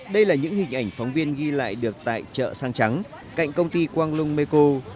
đây là những hình ảnh phóng viên ghi lại được tại chợ sang trắng cạnh công ty konglung meiko